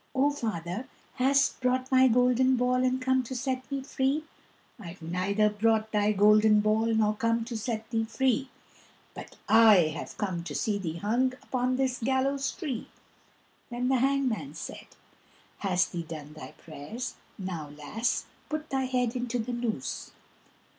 O father, hast brought my golden ball And come to set me free?" "I've neither brought thy golden ball Nor come to set thee free, But I have come to see thee hung Upon this gallows tree." Then the hangman said, "Hast thee done thy prayers? Now, lass, put thy head into the noose."